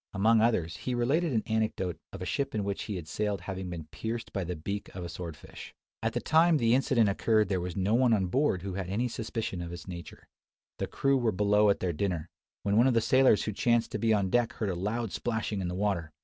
Among others, he related an anecdote of a ship in which he had sailed having been pierced by the beak of a sword fish. At the time the incident occurred there was no one on board who had any suspicion of its nature. The crew were below at their dinner; when one of the sailors who chanced to be on deck heard a loud splashing in the water.